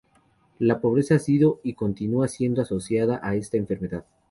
La pobreza ha sido y continúa siendo asociada a esta enfermedad.